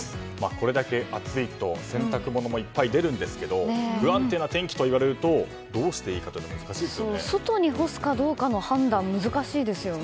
これだけ暑いと洗濯物もいっぱい出るんですけど不安定な天気といわれるとどうしていいかが外に干すかどうかの判断が難しいですよね。